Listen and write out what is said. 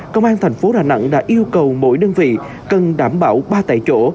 công an thành phố đà nẵng đã yêu cầu mỗi đơn vị cần đảm bảo ba tại chỗ